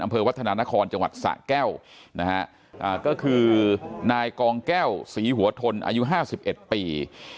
วัฒนานครจังหวัดสะแก้วนะฮะก็คือนายกองแก้วศรีหัวทนอายุ๕๑ปี